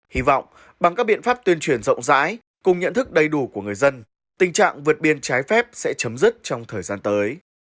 hy vọng bằng các biện pháp tuyên truyền rộng rãi cùng nhận thức đầy đủ của người dân tình trạng vượt biên trái phép sẽ chấm dứt trong thời gian tới